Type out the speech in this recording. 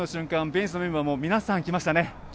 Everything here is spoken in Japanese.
ベンチのメンバーも皆さん来ましたね。